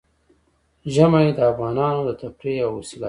ژمی د افغانانو د تفریح یوه وسیله ده.